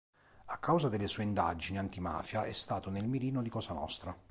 A causa delle sue indagini antimafia è stato nel mirino di “Cosa nostra”.